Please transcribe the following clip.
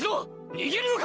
逃げるのか！？